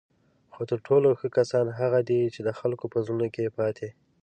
خو تر ټولو ښه کسان هغه دي چی د خلکو په زړونو کې پاتې